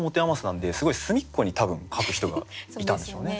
なんですごい隅っこに多分書く人がいたんでしょうね。